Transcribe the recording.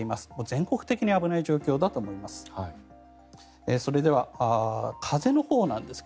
全国的に危ない状況だと思います。